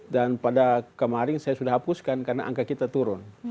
dan pada kemarin saya sudah hapuskan karena angka kita turun